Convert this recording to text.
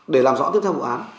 để làm rõ tiếp theo vụ án